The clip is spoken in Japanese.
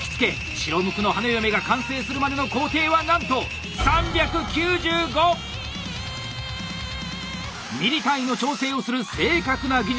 白無垢の花嫁が完成するまでの工程はなんとミリ単位の調整をする正確な技術！